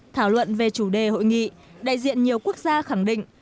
thảo luận về chủ đề hội nghị đại diện nhiều quốc gia khẳng định